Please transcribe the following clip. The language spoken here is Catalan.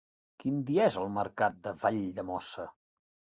Quin dia és el mercat de Valldemossa?